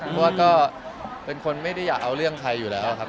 เพราะว่าก็เป็นคนไม่ได้อยากเอาเรื่องใครอยู่แล้วครับ